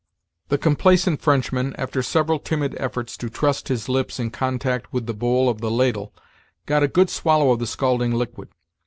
The complaisant Frenchman, after several timid efforts to trust his lips in contact with the howl of the ladle, got a good swallow of the scalding liquid.